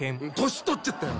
年取っちゃったよ。